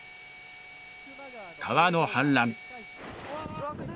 川の氾濫。